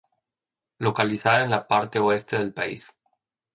Localizada en la parte oeste del país.